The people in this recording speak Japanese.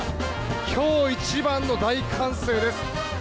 今日一番の大歓声です。